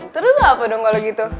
terus apa dong kalau gitu